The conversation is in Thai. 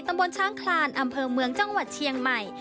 บนช้างคลานอำเภอเมืองจังหวัดเชียงใหม่